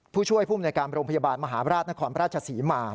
ผู้ช่วยผู้บรับโรงพยาบาลมหาบราชนครพระราชศรีมา